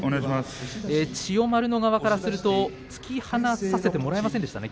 千代丸側からすると突き放させてもらえませんでしたね